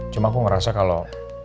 cuma aku ngerasa kalau